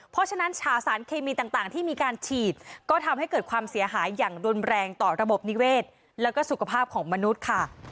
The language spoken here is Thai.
เพราะฉะนั้นฉาสารเคมีต่างที่มีการฉีดก็ทำให้เกิดความเสียหายอย่างรุนแรงต่อระบบนิเวศแล้วก็สุขภาพของมนุษย์ค่ะ